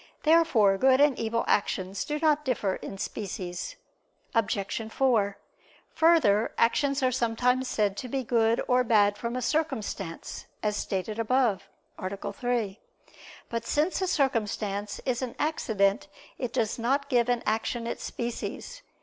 Therefore good and evil actions do not differ in species. Obj. 4: Further, actions are sometimes said to be good or bad from a circumstance, as stated above (A. 3). But since a circumstance is an accident, it does not give an action its species.